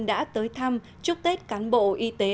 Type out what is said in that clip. đã tới thăm chúc tết cán bộ y tế